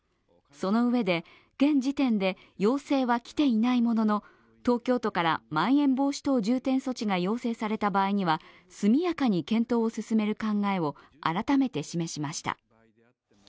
そのうえで現時点で要請は来ていないものの東京都からまん延防止等重点措置が要請された場合には速やかに検討を進める考えを改めて示しました。